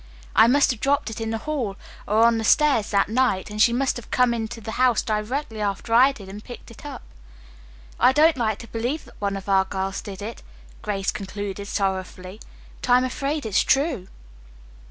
I must have dropped it in the hall or on the stairs that night, and she must have come into the house directly after I did and picked it up. I don't like to believe that one of our girls did it," Grace concluded sorrowfully, "but I am afraid it's true."